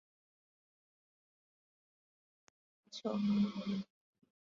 তুমি ভয় পাচ্ছ তুমি ঠিক আছো?